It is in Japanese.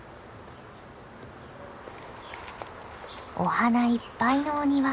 お花いっぱいのお庭。